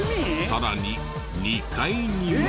さらに２階にも。